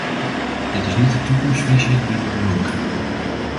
Dit is niet de toekomstvisie die we nodig hebben.